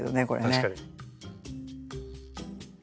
確かに。